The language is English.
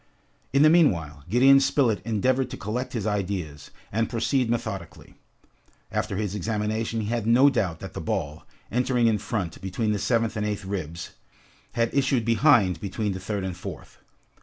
In the meanwhile, Gideon Spilett endeavored to collect his ideas, and proceed methodically. After his examination he had no doubt that the ball, entering in front, between the seventh and eighth ribs, had issued behind between the third and fourth.